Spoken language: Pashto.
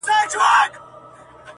ستا په څېر مي هغه هم بلا د ځان دئ،